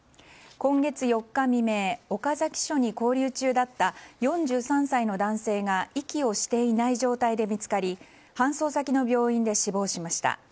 今月４日未明岡崎署に勾留中だった４３歳の男性が息をしていない状態で見つかり搬送先の病院で死亡しました。